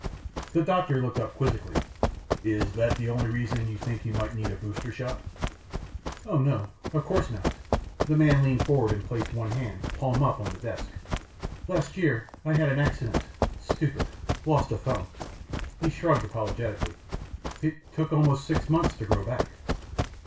The doctor looked up quizzically, "Is that the only reason you think you might need a booster shot?" "Oh, no ... of course not!" The man leaned forward and placed one hand, palm up, on the desk. "Last year I had an accident ... stupid ... lost a thumb." He shrugged apologetically, "It took almost six months to grow back."